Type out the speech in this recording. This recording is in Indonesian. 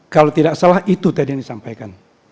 kalau tidak salah itu tadi yang disampaikan